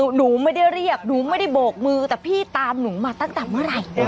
หนูไม่ได้เรียกหนูไม่ได้โบกมือแต่พี่ตามหนูมาตั้งแต่เมื่อไหร่